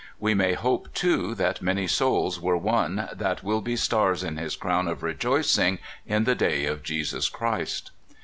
We may hope, too, that many souls were won that will be stars in his crown of rejoicing in the day of Jesus Christ.